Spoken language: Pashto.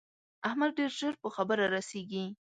احمد ډېر ژر په خبره رسېږي.